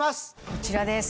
こちらです。